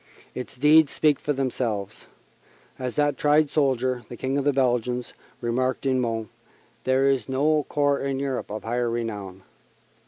Its deeds speak for themselves. As that tried soldier, the King of the Belgians, remarked in Mons, there is no corps in Europe of higher renown.